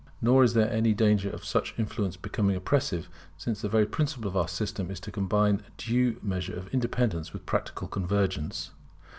Nor is there any danger of such influence becoming oppressive, since the very principle of our system is to combine a due measure of independence with practical convergence.